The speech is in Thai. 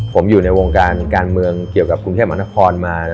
ผมอยู่ในวงการการเมืองเกี่ยวกับกรุงเทพมหานครมา